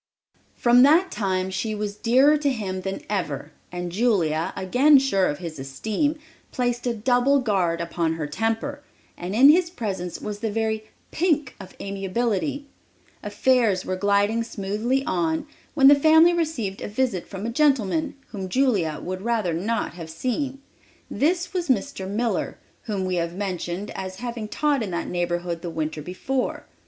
From that time she was dearer to him than ever and Julia, again sure of his esteem, placed a double guard upon her temper, and in his presence was the very "pink" of amiability! Affairs were gliding smoothly on, when the family received a visit from a gentleman, whom Julia would rather not have seen. This was Mr. Miller, whom we have mentioned as having taught in that neighborhood the winter before.